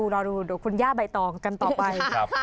รอดูคุณย่าใบต่อกันต่อไป